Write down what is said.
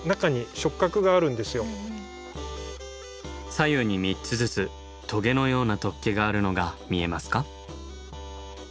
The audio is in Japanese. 左右に３つずつとげのような突起があるのが見えますか？